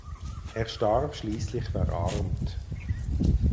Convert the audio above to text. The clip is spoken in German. Er starb schliesslich verarmt.